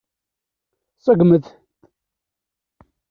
Seggment-t.